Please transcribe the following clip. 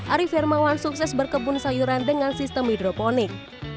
ari firmawan sukses berkebun sayuran dengan sistem hidroponik